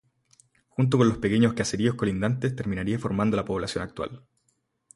Junto con los pequeños caseríos colindantes, terminaría formando la población actual.